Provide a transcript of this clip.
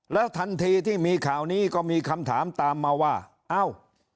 แล้วทันทีที่มีข่าวนี้ก็มีคำถามตามมาว่าเอ้า